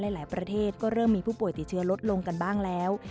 หลายประเทศก็เริ่มมีผู้ป่วยติดเชื้อลดลงกันบ้างแล้ว